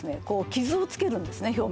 こう傷をつけるんですね